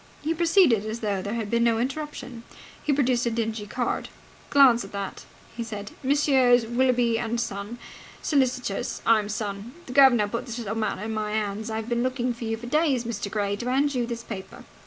He proceeded as though there had been no interruption. He produced a dingy card. "Glance at that," he said. "Messrs. Willoughby and Son, Solicitors. I'm son. The guv'nor put this little matter into my hands. I've been looking for you for days, Mr. Gray, to hand you this paper."